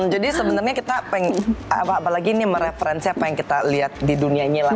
jadi sebenarnya kita pengen apalagi ini mereferensi apa yang kita lihat di dunianya lah